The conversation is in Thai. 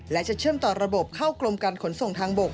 และจะเชื่อมต่อระบบเข้ากรมการขนส่งทางบก